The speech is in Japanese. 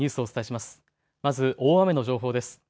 まず大雨の情報です。